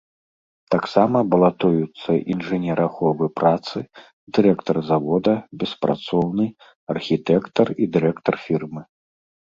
Таксама балатуюцца інжынер аховы працы, дырэктар завода, беспрацоўны, архітэктар і дырэктар фірмы.